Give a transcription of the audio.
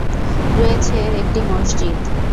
রয়েছে একটি মসজিদ।